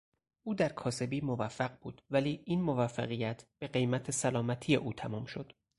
او در کاسبی موفق بود ولی این موفقیت به قمیت سلامتی او تمام شد.